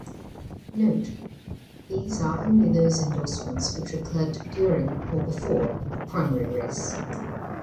Note: These are only those endorsements which occurred during or before the Primary Race.